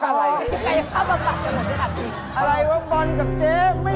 อะไรว่าบอลกับเก๊